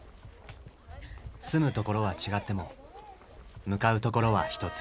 住むところは違っても向かうところはひとつ。